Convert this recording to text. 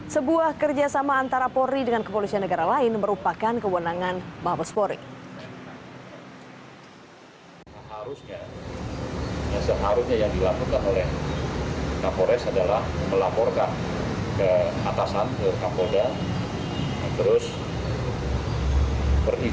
sebuah kerjasama antara polri dengan kepolisian negara lain merupakan kewenangan mabesporik